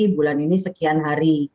bulan ini sekian hari